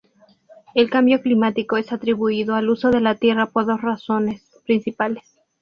El cambio climático es atribuido al uso de la tierra por dos razones principales.